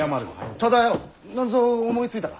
忠世何ぞ思いついたか？